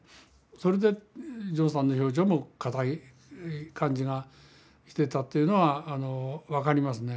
それでジョンさんの表情も硬い感じがしていたというのは分かりますね。